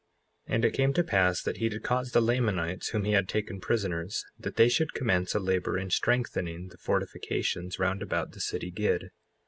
55:25 And it came to pass that he did cause the Lamanites, whom he had taken prisoners, that they should commence a labor in strengthening the fortifications round about the city Gid.